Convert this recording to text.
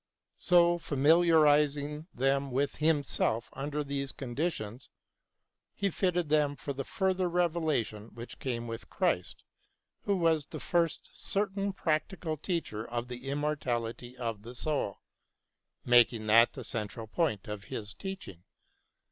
So familiarising them with Himself under these conditions. He fitted them for the further revelation which came with Christ, who was the first certain practical teacher of the immortality of the soul, making that the central point in His teaching.